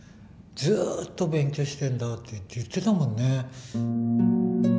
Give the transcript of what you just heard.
ずっと勉強してんだって言ってたもんね。